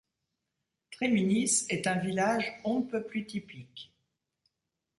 Tréminis est un village on ne peut plus typique.